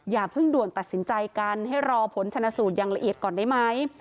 อย่าเพิ่งด่วนตัดสินใจกันให้รอผลชนะสูตรอย่างละเอียดก่อนได้ไหม